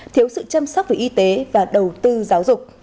thiếu sự chăm sóc về y tế và đầu tư giáo dục